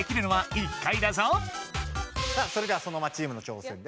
それではソノマチームの挑戦です。